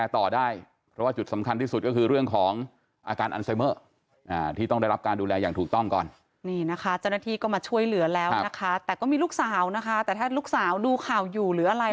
แต่ก็มีลูกสาวนะคะแต่ถ้าลูกสาวดูข่าวอยู่หรืออะไร